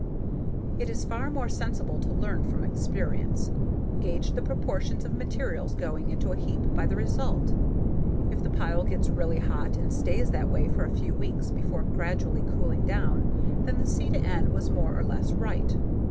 It is far more sensible to learn from experience. Gauge the proportions of materials going into a heap by the result. If the pile gets really hot and stays that way for a few weeks before gradually cooling down then the C/N was more or less right.